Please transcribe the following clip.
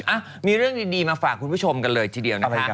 อ่ะมีเรื่องดีมาฝากคุณผู้ชมกันเลยทีเดียวนะคะ